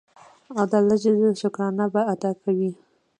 او د الله شکرانه به ادا کوي.